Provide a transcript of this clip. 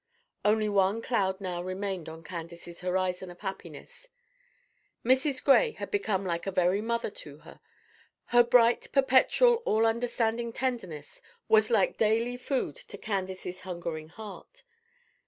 Only one cloud now remained on Candace's horizon of happiness. Mrs. Gray had become like a very mother to her. Her bright, perpetual, all understanding tenderness was like daily food to Candace's hungering heart.